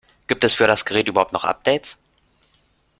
Gibt es für das Gerät überhaupt noch Updates?